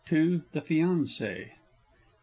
(to the Fiancée).